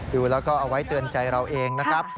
ดูแล้วก็เอาไว้เตือนใจเราเองนะครับ